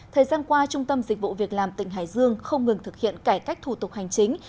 thời gian qua trung tâm dịch vụ việc làm tỉnh hải dương không ngừng thực hiện cải cách thủ tục hành chính